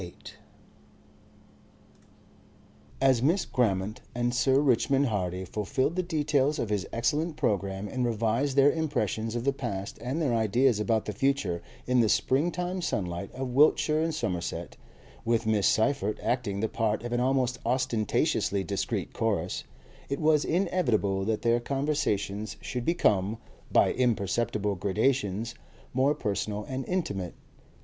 Section 7 As Miss Grammont and Sir Richmond Hardy fulfilled the details of his excellent programme and revised their impressions of the past and their ideas about the future in the springtime sunlight of Wiltshire and Somerset, with Miss Seyffert acting the part of an almost ostentatiously discreet chorus, it was inevitable that their conversation should become, by imperceptible gradations, more personal and intimate.